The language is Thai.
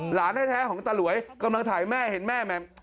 หลานแท้ของตาหลวยกำลังถ่ายแม่เห็นแม่